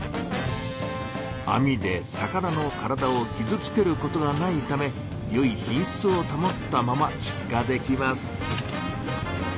網で魚の体をきずつけることがないためよい品しつを保ったまま出荷できます。